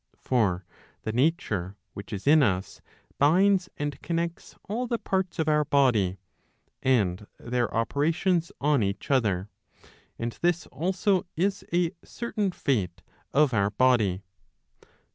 For the nature which is in us, binds and connects all the parts of our body, and their operations on each other: and this also is a certain Fate of our body.